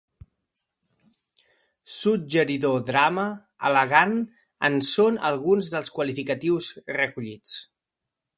Suggeridor drama, elegant en són alguns dels qualificatius recollits.